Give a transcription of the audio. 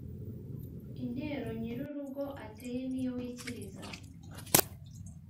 Intero nyirurugo ateye niyo wikiriza